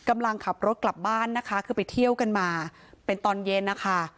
ไปนอนกับพ่อค่ะก่อนเกิดเรื่องเนี่ยนะคะ